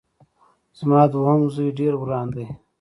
زما دوهم زوی ډېر وران دی